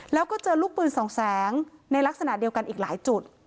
แล้วก็เจอลูกปืนสองแสงในลักษณะเดียวกันอีกหลายจุด